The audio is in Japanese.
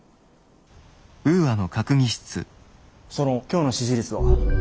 今日の支持率は？